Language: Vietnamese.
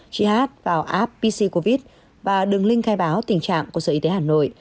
chị h vào app pccovid và đừng link khai báo tình trạng của sở y tế hà nội